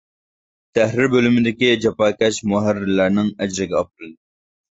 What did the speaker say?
تەھرىر بۆلۈمىدىكى جاپاكەش مۇھەررىرلەرنىڭ ئەجرىگە ئاپىرىن.